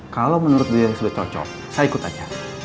kalau menurut beliau sudah cocok saya ikut aja